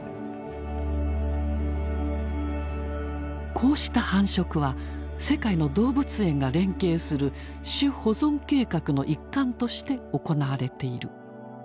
こうした繁殖は世界の動物園が連携する「種保存計画」の一環として行われている。